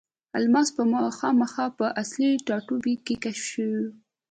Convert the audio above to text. الماس په خاما په اصلي ټاټوبي کې کشف شو.